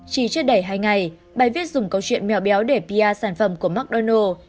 chỉ trước đầy hai ngày bài viết dùng câu chuyện mèo béo để pr sản phẩm của mcdonald s